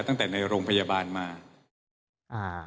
ตั้งแต่ในโรงพยาบาลมาอ่า